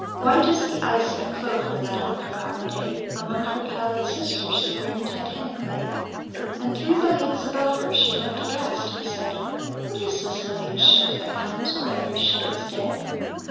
White as the ice that clove her That unforgotten day, Among her pallid sisters The grim Titanic lay. And through the leagues above her She looked aghast, and said: "What is this living ship that comes Where every ship is dead?"